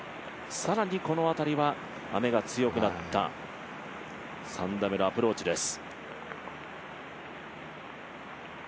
更にこの辺りは雨が強くなった３打目のアプローチです。